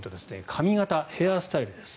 髪形、ヘアスタイルです。